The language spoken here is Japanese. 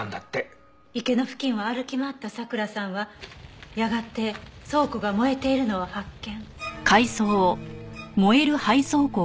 池の付近を歩き回ったさくらさんはやがて倉庫が燃えているのを発見。